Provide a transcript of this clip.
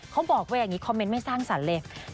เขาบอกว่าอย่างนี้คอมเมนต์ไม่สร้างสรรคุณผู้ชมค่ะ